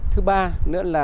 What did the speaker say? thứ ba nữa là